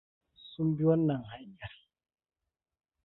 Sun bi wannan hanyar.